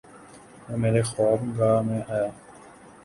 وہ میرے خواب گاہ میں آیا